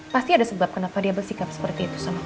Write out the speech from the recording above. pasti ada sebab kenapa dia bersikap seperti itu